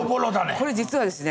これ実はですね